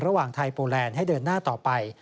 ระหว่างไทยโปแลนด์ให้เดินหน้าต่อไป